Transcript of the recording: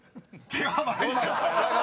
［では参ります］